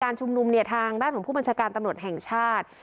ชุมนุมเนี่ยทางด้านของผู้บัญชาการตำรวจแห่งชาติ